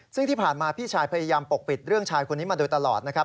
ซึ่งที่ผ่านมาพี่ชายพยายามปกปิดเรื่องชายคนนี้มาโดยตลอดนะครับ